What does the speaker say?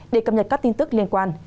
để cập nhật các tin tức liên quan